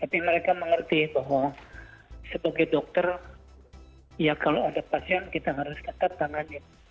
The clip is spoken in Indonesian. tapi mereka mengerti bahwa sebagai dokter ya kalau ada pasien kita harus tetap tanganin